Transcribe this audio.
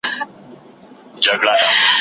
یو بل ته د درناوي دود باید پراخ سي.